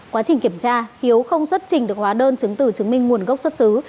quá trình kiểm tra hiếu không xuất trình được hóa đơn chứng từ chứng minh nguồn gốc xuất xứ